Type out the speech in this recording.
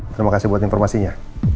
terima kasih buat informasinya